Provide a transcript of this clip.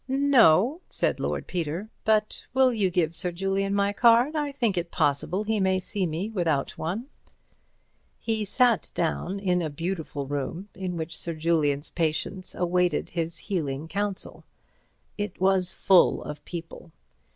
"No," said Lord Peter, "but will you give Sir Julian my card? I think it possible he may see me without one." He sat down in the beautiful room in which Sir Julian's patients awaited his healing counsel. It was full of people.